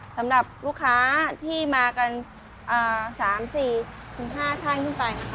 สำหรับลูกค้าที่มากัน๓๔๕ท่านขึ้นไปนะคะ